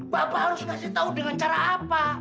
bapak harus ngasih tahu dengan cara apa